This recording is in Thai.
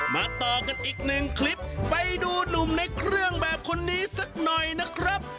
มาต่อกันอีกหนึ่งคลิปไปดูหนุ่มในเครื่องแบบคนนี้สักหน่อยนะครับ